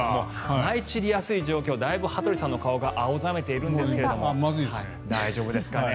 舞い散りやすい状況だいぶ羽鳥さんの顔が青ざめているんですけど大丈夫ですかね。